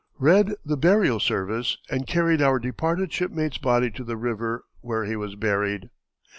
Read the burial service and carried our departed shipmate's body to the river, where he was buried."